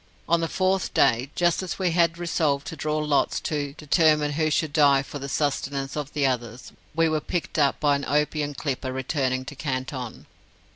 On the fourth day, just as we had resolved to draw lots to determine who should die for the sustenance of the others, we were picked up by an opium clipper returning to Canton.